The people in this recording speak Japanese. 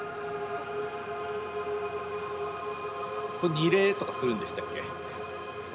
二礼とかするんでしたっけ？